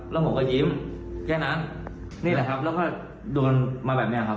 แล้วผมก็ยิ้มแค่นั้นนี่แหละครับแล้วก็โดนมาแบบนี้ครับ